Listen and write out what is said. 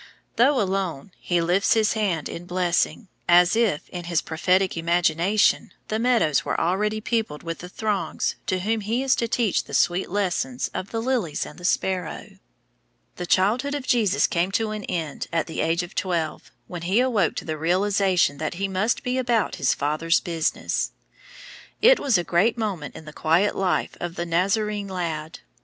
Though alone, he lifts his hand in blessing, as if, in his prophetic imagination, the meadows were already peopled with the throngs to whom he is to teach the sweet lessons of the lilies and the sparrow. [Illustration: THE CHRIST CHILD. DEGER.] The childhood of Jesus came to an end at the age of twelve, when he awoke to the realization that he must be "about his Father's business." It was a great moment in the quiet life of the Nazarene lad.